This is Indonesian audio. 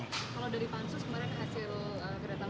kalau dari pansu kemarin hasil berat apa